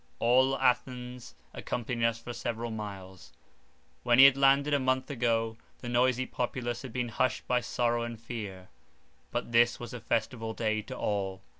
All Athens accompanied us for several miles. When he had landed a month ago, the noisy populace had been hushed by sorrow and fear; but this was a festival day to all.